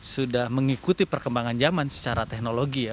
sudah mengikuti perkembangan zaman secara teknologi ya